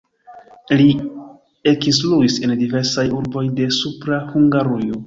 Li ekinstruis en diversaj urboj de Supra Hungarujo.